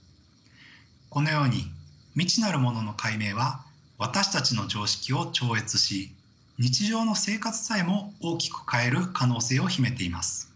このように未知なるものの解明は私たちの常識を超越し日常の生活さえも大きく変える可能性を秘めています。